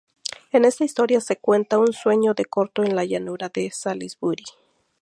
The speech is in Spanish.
En esta historia se cuenta un sueño de Corto en la llanura de Salisbury.